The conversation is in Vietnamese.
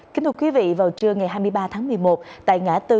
kính thưa quý vị vào trưa ngày hôm nay sẽ là những tin tức về an ninh trật tự